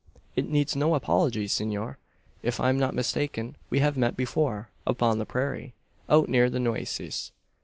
"It needs no apology, senor. If I'm not mistaken, we have met before upon the prairie, out near the Nueces."